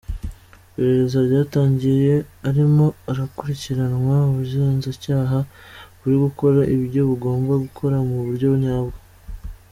Iperereza ryatangiye arimo arakurikiranwa, Ubugenzacyaha buri gukora ibyo bugomba gukora mu buryo nyabwo.